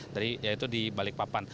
yaitu di balikpapan